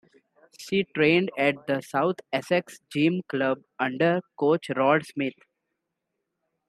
She trained at the South Essex Gym Club under coach Rod Smith.